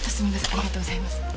ありがとうございます。